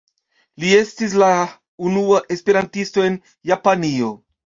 Li estis la unua esperantisto en Japanio.